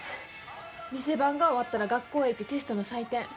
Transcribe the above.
店番が終わったら学校へ行ってテストの採点。